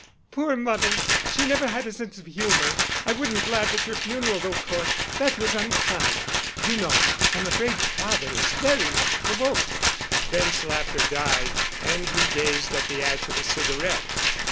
"Poor mother! She never had a sense of humor. I wouldn't laugh at your funeral, though, Cort. That was unkind. You know, I'm afraid father is very much provoked." Bent's laughter died, and he gazed at the ash of his cigarette.